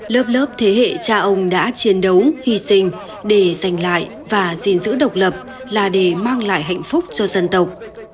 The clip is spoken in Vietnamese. lớp lớp thế hệ cha ông đã chiến đấu hy sinh để giành lại và gìn giữ độc lập là để mang lại hạnh phúc cho dân tộc